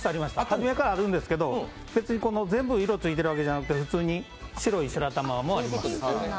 初めからあるんですけど、別に全部色、着いてるわけじゃなくて白い白玉もあります。